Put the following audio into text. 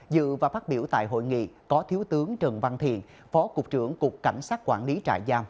dự và phát biểu tại hội nghị có thiếu tướng trần văn thiện phó cục trưởng cục cảnh sát quản lý trại giam